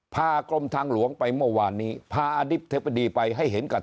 กรมทางหลวงไปเมื่อวานนี้พาอดิบเทบดีไปให้เห็นกับ